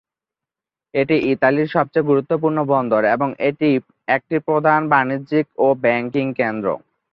এটি ইতালির সবচেয়ে গুরুত্বপূর্ণ বন্দর এবং একটি প্রধান বাণিজ্যিক ও ব্যাংকিং কেন্দ্র।